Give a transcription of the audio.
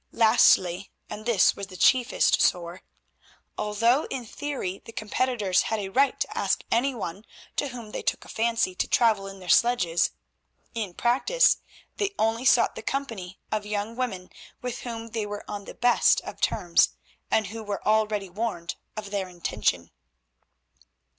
Lastly—and this was the chiefest sore—although in theory the competitors had a right to ask any one to whom they took a fancy to travel in their sledges, in practise they only sought the company of young women with whom they were on the best of terms, and who were already warned of their intention.